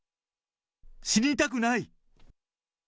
死にたくない。